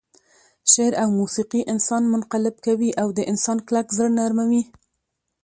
شعر او موسيقي انسان منقلب کوي او د انسان کلک زړه نرموي.